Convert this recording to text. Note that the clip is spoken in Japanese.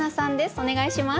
お願いします。